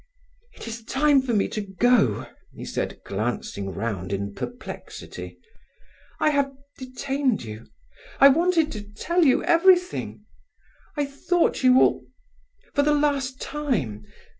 "It is time for me to go," he said, glancing round in perplexity. "I have detained you... I wanted to tell you everything... I thought you all... for the last time...